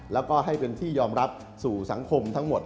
แล้วก็ให้เป็นที่ยอมรับสู่สังคมทั้งหมด